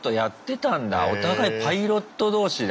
お互いパイロット同士だ。